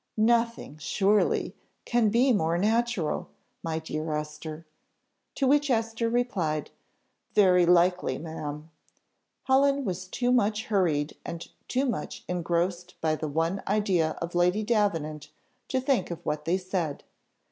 "Nothing, surely, can be more natural, my dear Esther." To which Esther replied, "Very likely, ma'am." Helen was too much hurried and too much engrossed by the one idea of Lady Davenant to think of what they said.